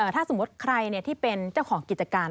ถ้าสมมติใครที่เป็นเจ้าของกิจการ